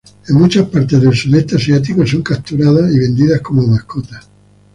En muchas partes del sudeste asiático son capturadas y vendidas como mascotas.